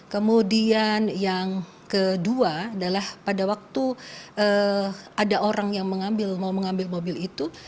kemudian yang kedua adalah pada waktu ada orang yang mengambil mau mengambil mobil itu